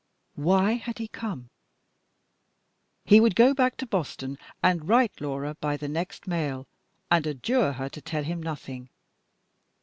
Why had he come? He would go back to Boston, and write Laura by the next mail, and adjure her to tell him nothing.